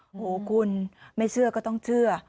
โอ้โหคุณไม่เชื่อก็ต้องเชื่อ